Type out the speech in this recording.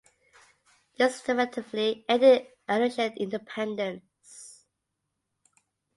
This effectively ended Aleutian independence.